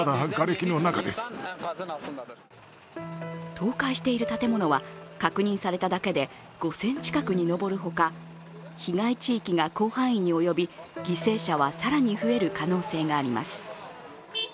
倒壊している建物は、確認されただけで５０００近くに上るほか被害地域が広範囲に及び犠牲者は更に増える可能性があります。